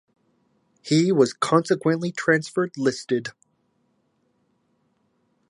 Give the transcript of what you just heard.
He was consequently transfer listed.